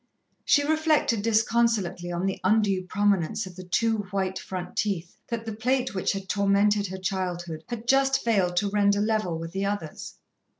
She reflected disconsolately on the undue prominence of the two, white front teeth that the plate which had tormented her childhood had just failed to render level with the others.